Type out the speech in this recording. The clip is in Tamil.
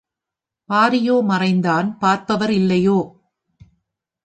பாரியோ மறைந்தான் பார்ப்பவர் இல்லையோ?